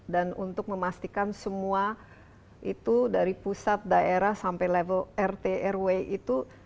dan untuk memastikan semua itu dari pusat daerah sampai level rt rw itu